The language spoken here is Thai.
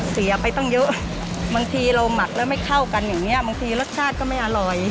เสียไปตั้งเยอะบางทีเราหมักแล้วไม่เข้ากันอย่างนี้บางทีรสชาติก็ไม่อร่อย